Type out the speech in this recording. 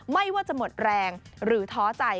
ไม่ว่าจะหมดแรงหรือท้อใจ